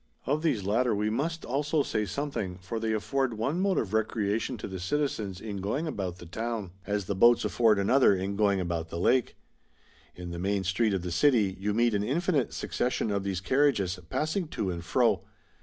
Of these latter we must also say something, for they afford one mode ot recreation to tlieciti/ens in going al)out Chap. LXXVII. THE GREAT CITY OF KINSAY. 163 the town, as the boats afford another in going about the Lake. In the main street of the city you meet an infinite succession of these carriages passing to and fro.